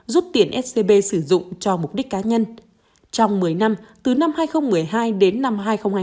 rút tiền scb sử dụng cho mục đích cá nhân trong một mươi năm từ năm hai nghìn một mươi hai đến năm hai nghìn hai mươi